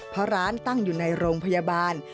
เพราะร้านตั้งอยู่ในโรงพยาบาล